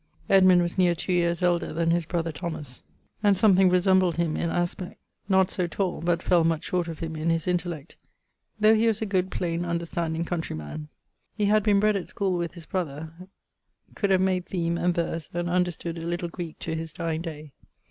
Edmund was neer two yeares elder then his brother Thomas, and something resembled him in aspect, not so tall, but fell much short of him in his intellect, though he was a good plain understanding countrey man. He had been bred at schoole with his brother; could have made theme, and verse, and understood a little Greek to his dyeing day.